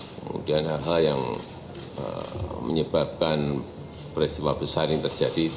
kemudian hal hal yang menyebabkan peristiwa besar ini terjadi